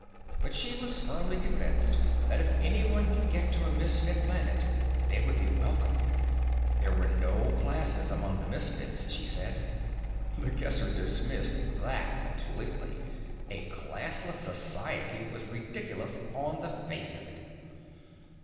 But she was firmly convinced that if anyone could get to a Misfit planet, they would be welcomed. There were no Classes among the Misfits, she said. (The Guesser dismissed that completely; a Classless society was ridiculous on the face of it.)